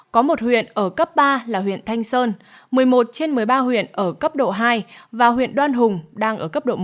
có một huyện ở cấp ba là huyện thanh sơn một mươi một trên một mươi ba huyện ở cấp độ hai và huyện đoan hùng đang ở cấp độ một